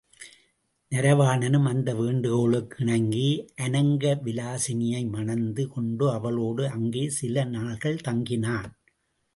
நரவாணனும் அந்த வேண்டுகோளுக்கு இணங்கி அநங்க விலாசினியை மணந்து கொண்டு அவளோடு அங்கே சில நாள்கள் தங்கினான்.